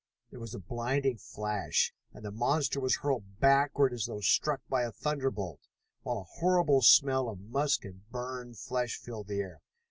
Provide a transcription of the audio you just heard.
There was a blinding flash, and the monster was hurled backward as though struck by a thunderbolt, while a horrible smell of musk and burned flesh filled the air.